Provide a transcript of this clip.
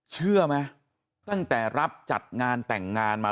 เชื่อไหมตั้งแต่รับจัดงานแต่งงานมา